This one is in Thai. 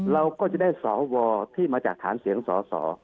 เราก็จะได้สวที่มาจากฐานเสียงสอสอ